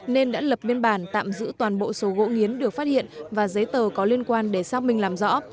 nên đã lập biên bản tạm giữ toàn bộ số gỗ nghiến được phát hiện và giấy tờ có liên quan để xác minh làm rõ